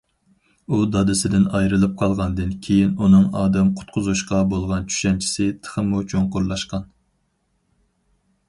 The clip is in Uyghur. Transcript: ئۇ دادىسىدىن ئايرىلىپ قالغاندىن كېيىن، ئۇنىڭ ئادەم قۇتقۇزۇشقا بولغان چۈشەنچىسى تېخىمۇ چوڭقۇرلاشقان.